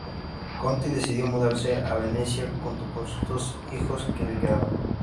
Conti decidió mudarse a Venecia junto con los dos hijos que le quedaban.